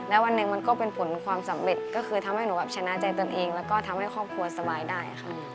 แล้ววันหนึ่งมันก็เป็นผลความสำเร็จก็คือทำให้หนูแบบชนะใจตนเองแล้วก็ทำให้ครอบครัวสบายได้ค่ะ